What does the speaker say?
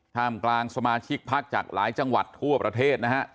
ท่ามกลางสมาชิกพักจากหลายจังหวัดทั่วประเทศนะฮะ